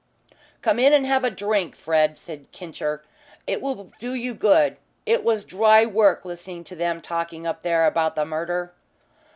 "Come in and have a drink, Fred," said "Kincher." "It will do you good. It was dry work listening to them talking up there about the murder."